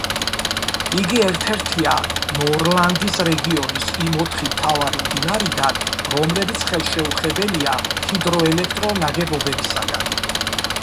იგი ერთ-ერთია ნორლანდის რეგიონის იმ ოთხი მთავარი მდინარიდან, რომლებიც ხელშეუხებელია ჰიდროელექტრო ნაგებობებისაგან.